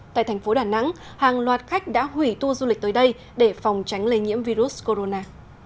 tại thành phố đà nẵng hàng loạt khách đã hủy tour du lịch tới đây để phòng tránh lây nhiễm virus corona